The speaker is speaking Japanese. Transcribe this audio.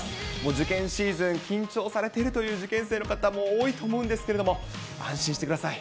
受験シーズン、緊張されているという受験生も方も多いと思うんですけども、安心してください。